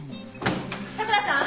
佐倉さん！